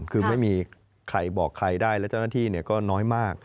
คือไม่มีใครบอกใครได้และเจ้าหน้าที่ก็น้อยมาก